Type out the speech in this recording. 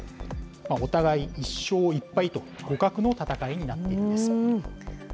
お互い１勝１敗と、互角の戦いになっているんです。